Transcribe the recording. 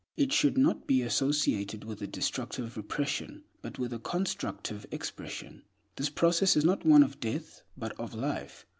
It should not be associated with a destructive repression, but with a constructive expression. The process is not one of death, but of life.